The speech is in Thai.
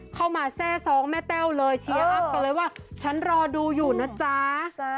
แทร่ซ้องแม่แต้วเลยเชียร์อัพกันเลยว่าฉันรอดูอยู่นะจ๊ะ